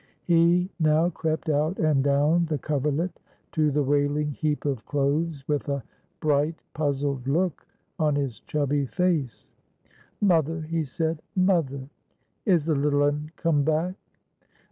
He now crept out and down the coverlet to the wailing heap of clothes, with a bright, puzzled look on his chubby face. "Mother," he said, "mother! Is the little un come back?"